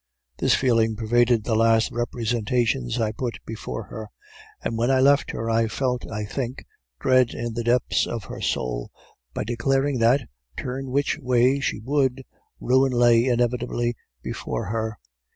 This feeling pervaded the last representations I put before her; and when I left her, I left, I think, dread in the depths of her soul, by declaring that, turn which way she would, ruin lay inevitably before her.